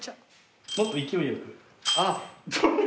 もっと勢いよく。